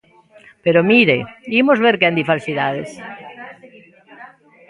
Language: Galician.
Pero mire, imos ver quen di falsidades.